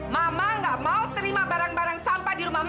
mama gak mau terima barang barang sampah di rumah mama